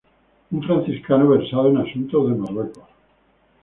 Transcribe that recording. Un Franciscano versado en asuntos de Marruecos.